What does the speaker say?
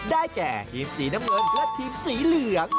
ได้แก่ทีมสีน้ำเงินและทีมสีเหลือง